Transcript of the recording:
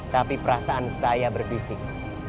tapi perasaan saya berbisik